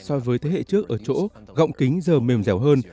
so với thế hệ trước ở chỗ gọng kính giờ mềm dẻo hơn